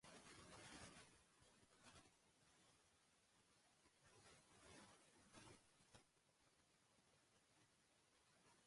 Horregatik, irabazleek gai horiei heldu behar dietela iritzi dio.